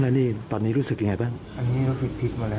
แล้วนี่ตอนนี้รู้สึกยังไงป่ะอันนี้รู้สึกผิดมาเลยฮะ